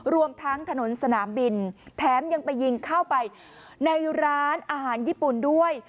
รวมทั้งถนนสนามบินแถมยังไปยิงเข้าไปในร้านอาหารญี่ปุ่นด้วย